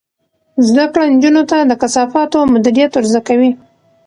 زده کړه نجونو ته د کثافاتو مدیریت ور زده کوي.